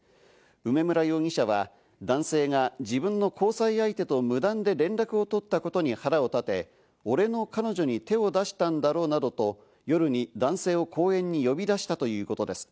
梅村容疑者は男性が自分の交際相手と無断で連絡を取ったことに腹を立て、俺の彼女に手を出したんだろうなどと、夜に男性を公園に呼び出したということです。